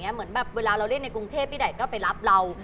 เหมือนแบบเวลาเราเล่นในกรุงเทพที่ไหนก็ไปรับเรา